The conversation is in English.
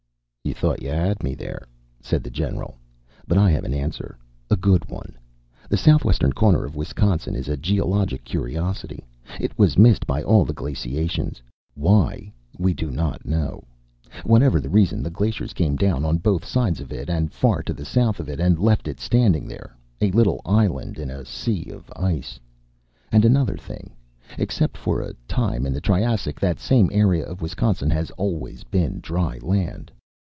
"You thought you had me there," said the general, "but I have an answer. A good one. The southwestern corner of Wisconsin is a geologic curiosity. It was missed by all the glaciations. Why, we do not know. Whatever the reason, the glaciers came down on both sides of it and far to the south of it and left it standing there, a little island in a sea of ice. "And another thing: Except for a time in the Triassic, that same area of Wisconsin has always been dry land.